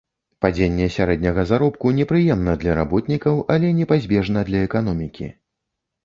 Падзенне сярэдняга заробку непрыемна для работнікаў, але непазбежна для эканомікі.